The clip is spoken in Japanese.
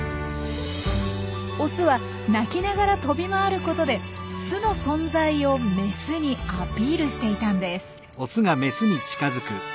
オスは鳴きながら飛び回ることで巣の存在をメスにアピールしていたんです。